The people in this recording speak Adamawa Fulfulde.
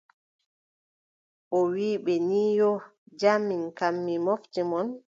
O wiʼi ɓe ni yoo , jam min kam mi mofti mon.